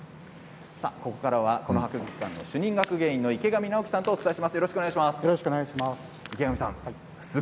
この博物館の主任学芸員の池上直樹さんとお伝えします。